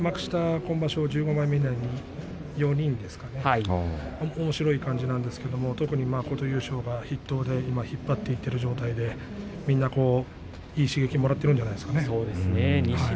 今場所１５枚目以内に４人おもしろい感じなんですが特に琴裕将が筆頭に引っ張っていっている状態でみんないい刺激をもらっているんじゃないですかね。